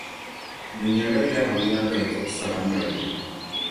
di nyɛla Yawɛ Yaɣigari chuɣu sara maligu.